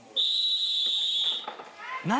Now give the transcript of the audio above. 何？